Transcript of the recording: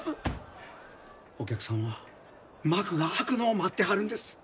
お客さんは幕が開くのを待ってはるんです。